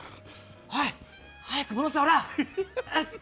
おい早く戻せほら。